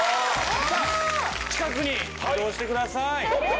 さあ近くに移動してください。